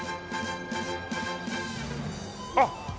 あっ！